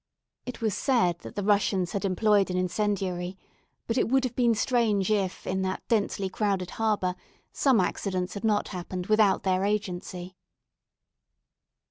It was said that the Russians had employed an incendiary; but it would have been strange if in that densely crowded harbour some accidents had not happened without their agency.